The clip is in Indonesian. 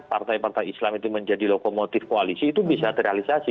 partai partai islam itu menjadi lokomotif koalisi itu bisa terrealisasi